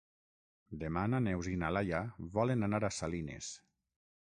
Demà na Neus i na Laia volen anar a Salines.